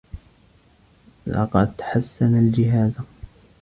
لقد حسّن الجهاز.